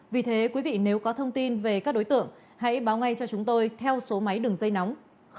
vì thế quý vị nếu có thông tin về các đối tượng hãy báo ngay cho chúng tôi theo số máy đường dây nóng